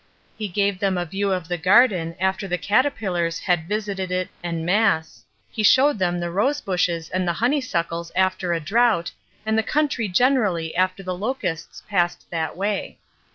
He gave them a view of the garden after the caterpillars had CHILDREN OF ONE FATHER 377 visited it en masse; he showed them the rose bushes and honeysuckles after a drought, and the country generally after the locusts passed that way.